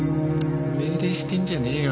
命令してんじゃねえよ！